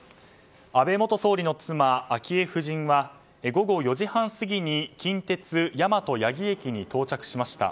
安倍元総理の妻・昭恵夫人は午後４時半過ぎに近鉄大和八木駅に到着しました。